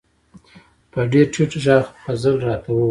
په ډیر ټیټ غږ فضل را ته و ویل: